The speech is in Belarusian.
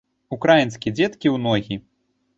Украінскі дзеткі ў ногі!